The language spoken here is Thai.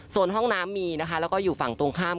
ส่วนห้องน้ำมีนะคะแล้วก็อยู่ฝั่งตรงข้าม